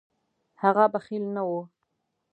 هغه بخیل نه و.